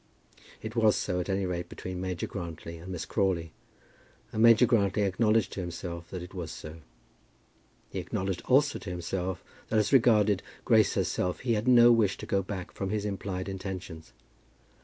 It was so at any rate between Major Grantly and Miss Crawley, and Major Grantly acknowledged to himself that it was so. He acknowledged also to himself that as regarded Grace herself he had no wish to go back from his implied intentions.